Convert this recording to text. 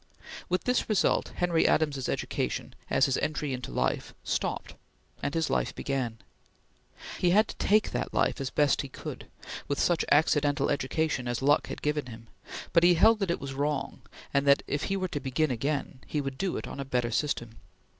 With this result Henry Adams's education, at his entry into life, stopped, and his life began. He had to take that life as he best could, with such accidental education as luck had given him; but he held that it was wrong, and that, if he were to begin again, he would do it on a better system.